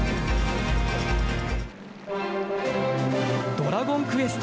「ドラゴンクエスト」